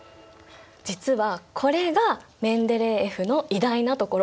実はこれがメンデレーエフの偉大なところ！